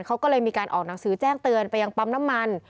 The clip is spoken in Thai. เขาก็เลยมีการออกหนังสือแจ้งเตือนไปยังปั๊มน้ำมัน